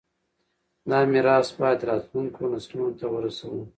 دا میراث باید راتلونکو نسلونو ته ورسوو.